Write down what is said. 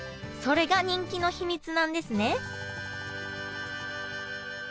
それが人気の秘密なんですね